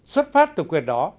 xuất phát từ quyền đó